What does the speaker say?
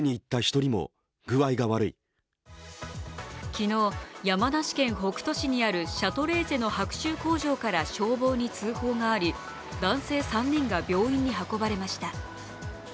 昨日、山梨県北杜市にあるシャトレーゼの白州工場から消防に通報があり、男性３人が病院に運ばれました。